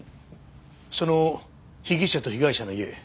その被疑者と被害者の家近いのか？